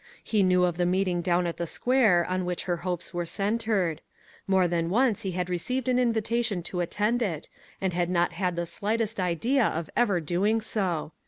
He knew of the meeting down at the square on which her hopes were centered. More than once he had received an invitation to attend it, and had not had the slightest idea of ever doing so.